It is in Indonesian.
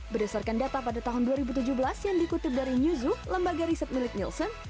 berdasarkan data pada tahun dua ribu tujuh belas yang dikutip dari newzoo lembaga riset milik nielsen